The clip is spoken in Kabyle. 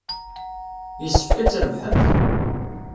Yessefk ad trebḥemt.